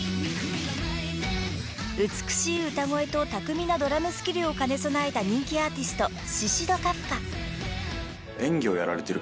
［美しい歌声と巧みなドラムスキルを兼ね備えた人気アーティスト］